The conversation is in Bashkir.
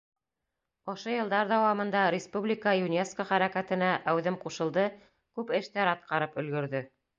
Ошо йылдар дауамында республика ЮНЕСКО хәрәкәтенә әүҙем ҡушылды, күп эштәр атҡарып өлгөрҙө.